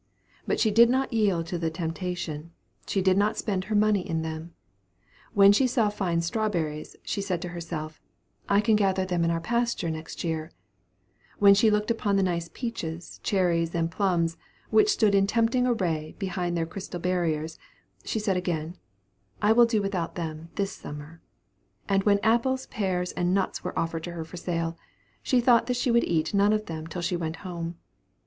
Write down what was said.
But she did not yield to the temptation; she did not spend her money in them. When she saw fine strawberries, she said to herself, "I can gather them in our own pasture next year;" when she looked upon the nice peaches, cherries, and plums which stood in tempting array behind their crystal barriers, she said again, "I will do without them this summer;" and when apples, pears, and nuts were offered to her for sale, she thought that she would eat none of them till she went home.